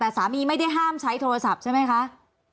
แต่สามีไม่ได้ห้ามใช้โทรศัพท์ใช่ไหมคะ